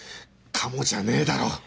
「かも」じゃねえだろ。